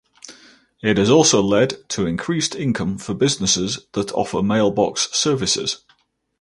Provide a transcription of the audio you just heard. It has also led to increased income for businesses that offer mailbox services.